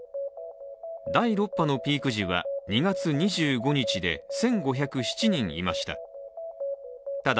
第６波のピーク時は２月２５日で１５０７人いました。